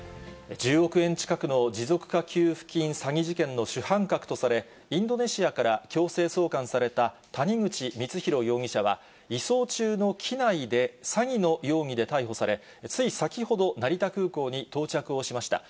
１０億円近くの持続化給付金詐欺事件の主犯格とされ、インドネシアから強制送還された谷口光弘容疑者は、移送中の機内で詐欺の容疑で逮捕され、つい先ほど、成田空港に到着をしました。